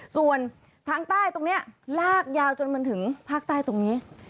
ส่วนทางใต้ตรงนี้ลากยาวจนมันถึงภาคใต้ตรงนี้